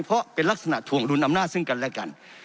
เพราะเป็นลักษณะถวงดุลอำนาจซึ่งกันและกัน